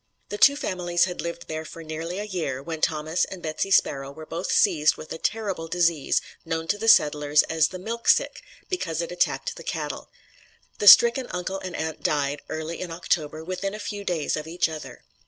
The two families had lived there for nearly a year when Thomas and Betsy Sparrow were both seized with a terrible disease known to the settlers as the "milk sick" because it attacked the cattle. The stricken uncle and aunt died, early in October, within a few days of each other.